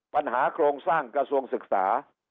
ปัญหาโครงสร้างกระทรวงศึกษา